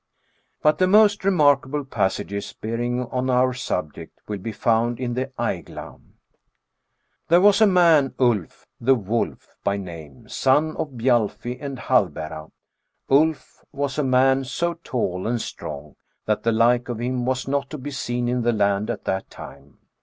(c. 37.) 4 But the most remarkable passages bearing on our subject will be found in the Aigla. THE SCANDINAVIAN WERE WOLF. 48 There was a man, Ulf (the wolf) by name, son of Bjalfi and Hallbera. Ulf was a man so tall and strong that the like of him was not to be seen in the land at that time.